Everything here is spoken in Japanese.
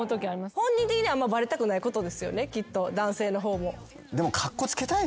本人的にはあんまバレたくないことですよねきっと男性の方も。